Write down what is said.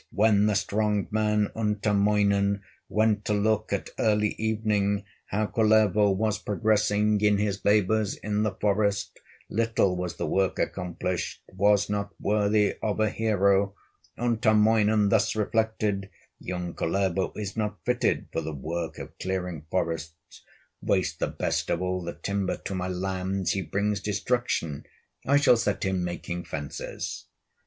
When the strong man, Untamoinen, Went to look at early evening, How Kullervo was progressing, In his labors in the forest; Little was the work accomplished, Was not worthy of a hero; Untamoinen thus reflected: "Young Kullervo is not fitted For the work of clearing forests, Wastes the best of all the timber, To my lands he brings destruction; I shall set him making fences."